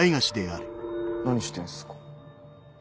・何してんすか？